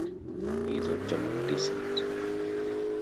He is of German descent.